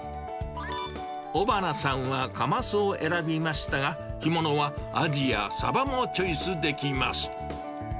尾花さんはカマスを選びましたが、干物はアジやサバもチョイスできます。